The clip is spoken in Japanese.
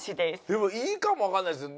でもいいかもわかんないです。